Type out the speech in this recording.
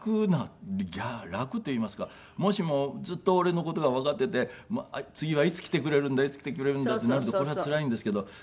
いや楽と言いますかもしもずっと俺の事がわかっていて次はいつ来てくれるんだいつ来てくれるんだってなるとこれはつらいんですけど。